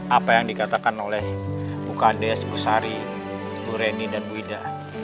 apa yang dikatakan oleh bukandes bu sari bu reni dan bu ida